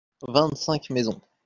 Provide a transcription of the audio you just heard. Vingt-cinq maisons.